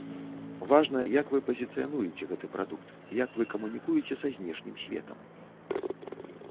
Важна, як вы пазіцыянуеце гэты прадукт, як вы камунікуеце са знешнім светам.